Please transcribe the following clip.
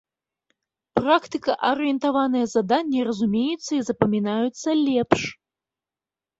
Практыка-арыентаваныя заданні разумеюцца і запамінаюцца лепш.